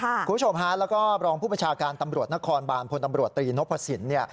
คุณผู้ชมฮะแล้วก็รองผู้ประชาการตำรวจนครบานพลตำรวจตรีนพสินเนี่ย